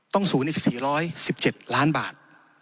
ต้องซุลอีก๔๑๗ล้านบาท